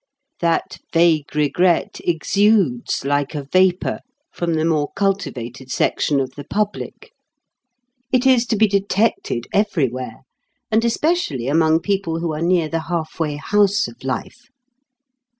That vague regret exudes like a vapour from the more cultivated section of the public. It is to be detected everywhere, and especially among people who are near the half way house of life.